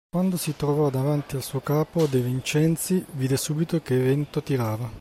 Quando si trovò davanti al suo Capo, De Vincenzi vide subito che vento tirava.